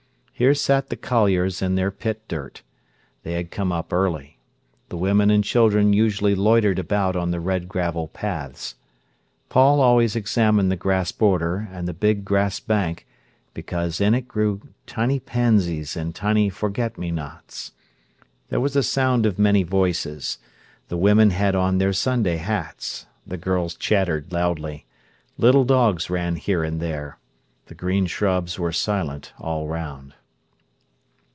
Here sat the colliers in their pit dirt. They had come up early. The women and children usually loitered about on the red gravel paths. Paul always examined the grass border, and the big grass bank, because in it grew tiny pansies and tiny forget me nots. There was a sound of many voices. The women had on their Sunday hats. The girls chattered loudly. Little dogs ran here and there. The green shrubs were silent all around.